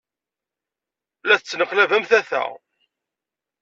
La tettneqlab am tata.